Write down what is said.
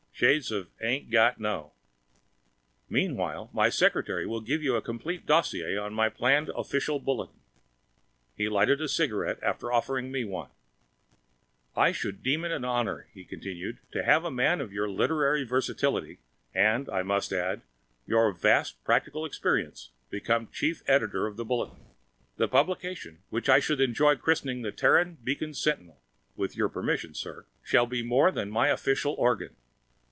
(Shades of "ain't got no!") "Meanwhile, my secretary will give you a complete dossier on my planned Official Bulletin." He lighted a cigarette after offering me one. "I should deem it an honor," he continued, "to have a man of your literary versatility and I must add your vast practical experience become Chief Editor of that Bulletin. The publication, which I should enjoy christening The Terran Beacon Sentinel with your permission, sir shall be more than my official organ.